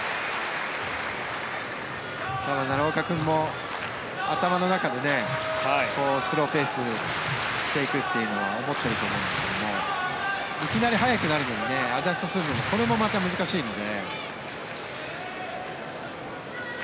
奈良岡君も頭の中でスローペースにしていくと思ってると思うんですがいきなり速くなるのにアジャストするのもこれもまた難しいので。